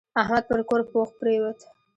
احمد پر کور پوخ پرېوت.